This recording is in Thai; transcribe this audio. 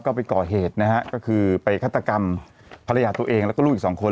ก็ไปก่อเหตุนะฮะก็คือไปฆาตกรรมภรรยาตัวเองแล้วก็ลูกอีกสองคน